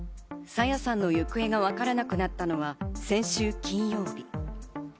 朝芽さんの行方がわからなくなったのは先週金曜日。